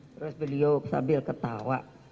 terus beliau sambil ketawa